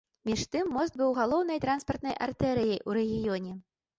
Між тым мост быў галоўнай транспартнай артэрыяй ў рэгіёне.